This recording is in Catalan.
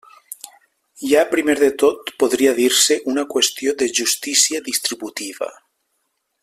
Hi ha primer de tot, podria dir-se, una qüestió de justícia distributiva.